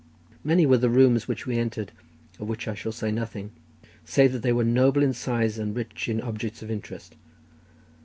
Many were the rooms which we entered, of which I shall say nothing, save that they were noble in size, and rich in objects of interest.